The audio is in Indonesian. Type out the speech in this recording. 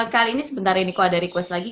kali ini sebentar ini kok ada request lagi